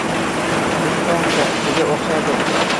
U tog’ cho’qqisiga o’xshaydi.